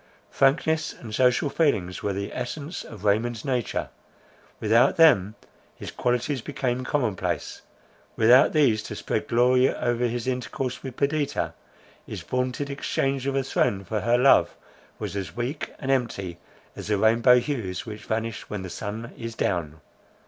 Frankness and social feelings were the essence of Raymond's nature; without them his qualities became common place; without these to spread glory over his intercourse with Perdita, his vaunted exchange of a throne for her love, was as weak and empty as the rainbow hues which vanish when the sun is down.